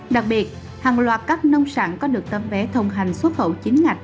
đặc biệt hàng loạt các nông sản có được tấm vé thông hành xuất khẩu chính ngạch